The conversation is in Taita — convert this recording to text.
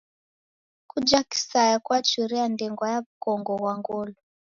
Kuja kisaya kwachuria ndengwa ya w'ukongo ghwa ngolo.